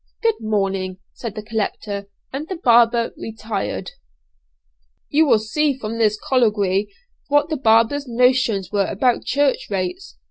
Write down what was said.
'Good morning,' said the collector; and the barber retired. "You will see from this colloquy what the barber's notions were about church rates.